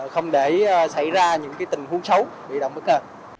không để xảy ra những tình huống xấu bị động bức hợp